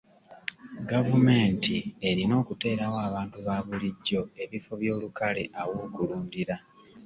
Gavumenti erina okuteerawo abantu ba bulijjo ebifo by'olukale aw'okulundira.